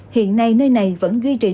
hiện nay nơi này vẫn ghi trì độc